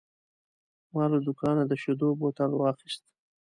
ما له دوکانه د شیدو بوتل واخیست.